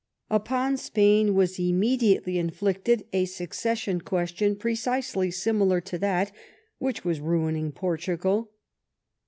Upon Spain was immediately inflicted a succession question precisely similar to that which was ruining Portugal.